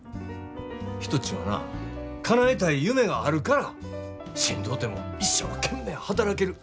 人ちゅうんはなかなえたい夢があるからしんどうても一生懸命働ける。